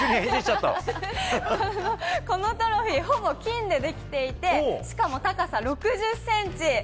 このトロフィー、ほぼ金で出来ていて、しかも高さ６０センチ。